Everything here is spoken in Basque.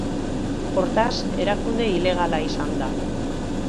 Hortaz, erakunde ilegala izan da.